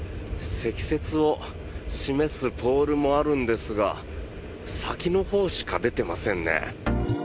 積雪を示すポールもあるんですが先のほうしか出てませんね。